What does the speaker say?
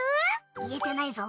言えてないぞ！